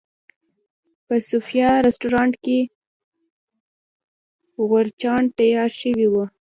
په صوفیا رسټورانټ کې غورچاڼ تیار شوی و.